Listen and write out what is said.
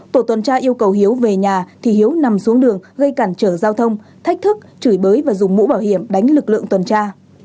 tổ tuần tra yêu cầu hiếu về nhà thì hiếu nằm xuống đường gây cản trở giao thông thách thức chửi bới và dùng mũ bảo hiểm đánh lực lượng tuần tra